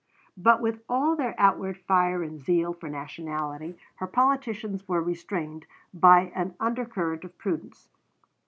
But, with all their outward fire and zeal for nationality, her politicians were restrained by an undercurrent of prudence.